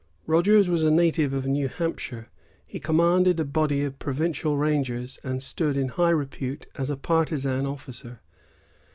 Rogers was a native of New Hampshire. He commanded a body of provincial rangers, and stood in high repute as a partisan officer.